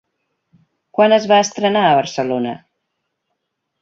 Quan es va estrenar a Barcelona?